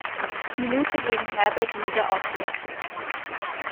Minute gegen Herbert Wieger ausgewechselt.